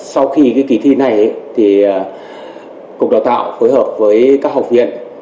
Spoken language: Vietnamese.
sau khi kỳ thi này thì cục đào tạo phối hợp với các học viện